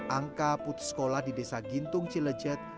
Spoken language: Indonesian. untuk anak anak yang telah putus sekolah di desa gintung cilejet